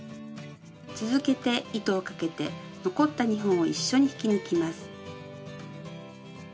続けて糸をかけて残った２本を一緒に引き抜きます。